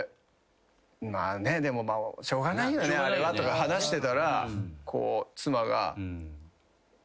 でもしょうがないよねあれはとか話してたら妻が。